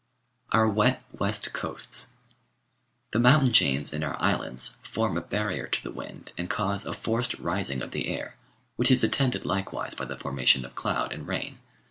Our Wet West Coasts The mountain chains in our Islands form a barrier to the wind and cause a forced rising of the air, which is attended likewise by the formation of cloud and rain.